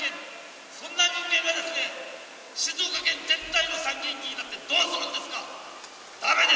そんな人間が静岡県全体の参議院議員になってどうするんですか。